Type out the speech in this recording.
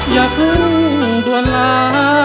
อย่าเพิ่งด่วนลา